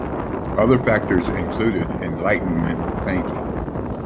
Other factors included Enlightenment thinking.